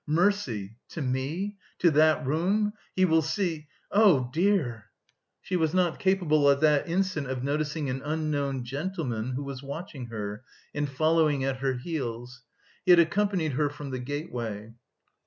"Mercy! to me... to that room... he will see... oh, dear!" She was not capable at that instant of noticing an unknown gentleman who was watching her and following at her heels. He had accompanied her from the gateway.